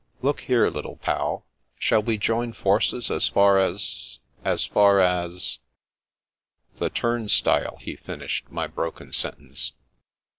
" Look here. Little Pal, shall we join forces as far as — ^as far as "" The turnstile,*' he finished my broken sentence.